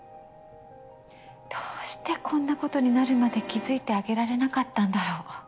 どうしてこんなことになるまで気付いてあげられなかったんだろ。